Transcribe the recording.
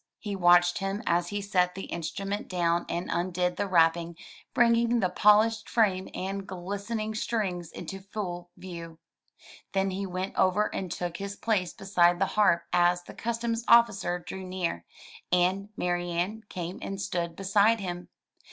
He watched him as he set the instrument down and undid the wrapping, bringing the polished frame and glis tening strings into full view. Then he went over and took his place beside the harp as the customs officer drew near, and Marianne came and stood beside him.